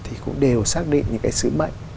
thì cũng đều xác định những cái sứ mệnh